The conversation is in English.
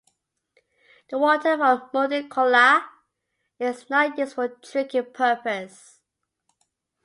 The water from Modi Khola is not used for drinking purpose.